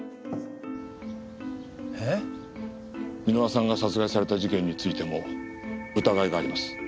箕輪さんが殺害された事件についても疑いがあります。